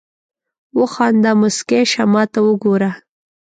وخانده مسکی شه ماته وګوره